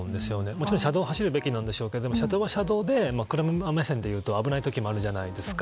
もちろん車道を走るべきなんでしょうけど車道は車道で車目線でいうと危ない時もあるじゃないですか。